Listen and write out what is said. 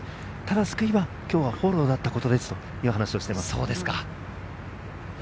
救いは今日がフォローだったことですと話しています。